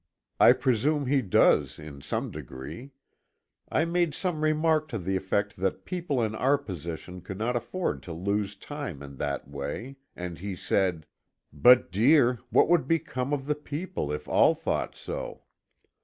I presume he does, in some degree. I made some remark to the effect that people in our position could not afford to lose time in that way, and he said: "But, dear, what would become of the people if all thought so?"